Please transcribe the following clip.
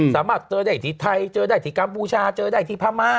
สามารถเจอได้ที่ไทยเจอได้ที่กัมพูชาเจอได้ที่พม่า